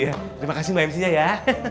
terima kasih mbak mc nya ya